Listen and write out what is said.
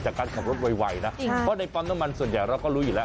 จากการขับรถไวนะเพราะในปั๊มน้ำมันส่วนใหญ่เราก็รู้อยู่แล้ว